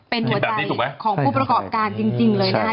เป็นหัวใจของผู้ประกอบการจริงเลยนะคะ